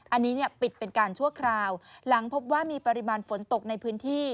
อันนี้เนี่ยปิดเป็นการชั่วคราวหลังพบว่ามีปริมาณฝนตกในพื้นที่